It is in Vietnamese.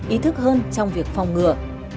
ý thức hơn trong việc phòng ngừa